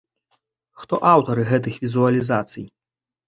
Хто аўтары гэтых візуалізацый?